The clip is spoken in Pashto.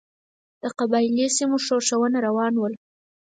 د قبایلي سیمو ښورښونه روان ول.